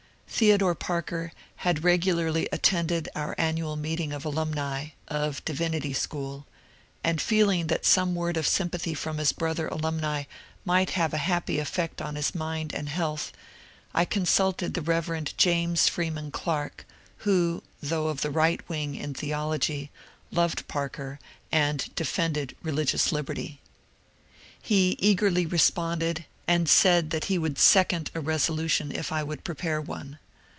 Theodore Parker had regularly attended our annual meet ing of alumni (of Divinity School), and feeling that some word of sympathy from his brother alumni might have a happy e£Fect on his mind and health, I consulted the Rev. James Freeman Clarke, who, though of the right wing in theology, loved Parker, and defended religious liberty. He 296 MONCURE DANIEL CONWAY eagerly responded, and said he would second a resolution if I would prepare one.